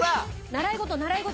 習い事習い事。